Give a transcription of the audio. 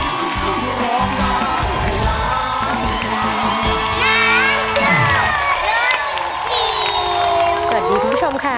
สวัสดีคุณผู้ชมค่ะ